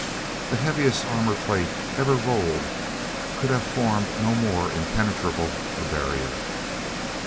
The heaviest armor plate ever rolled could have formed no more impenetrable a barrier.